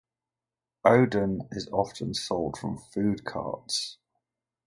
Oden is often sold from food carts.